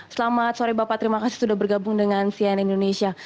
selamat sore bapak terima kasih sudah bergabung dengan cnn indonesia